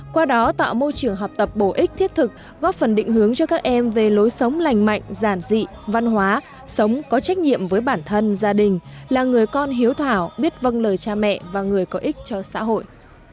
qua đó tạo môi trường học tập bổ ích thiết thực góp phần định hướng cho các em về lối sống lành mạnh giản dị văn hóa sống có trách nhiệm với bản thân gia đình là người con hiếu thảo biết vâng lời cha mẹ và người có ích cho xã hội